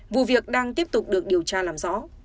vụ việc đang tiếp tục được điều tra làm rõ